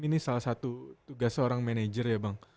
ini salah satu tugas seorang manajer ya bang